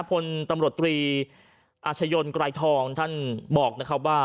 พลตำรวจตรีอาชญนไกรทองท่านบอกนะครับว่า